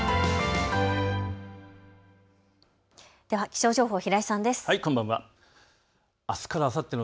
気象情報、平井さんです。